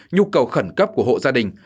nhu cầu khẩn cấp của hộ gia đình